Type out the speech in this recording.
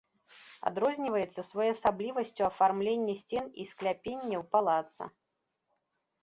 Адрозніваецца своеасаблівасцю афармленне сцен і скляпенняў палаца.